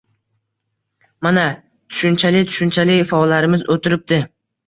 — Mana, tushunchali-tushunchali faollarimiz o‘tiribdi.